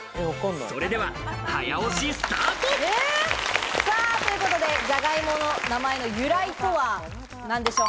それでは早押しスタート！ということで、じゃがいもの名前の由来とは、なんでしょう？